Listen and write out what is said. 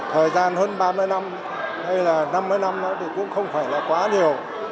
thời gian hơn ba mươi năm hay là năm mươi năm thì cũng không phải là quá nhiều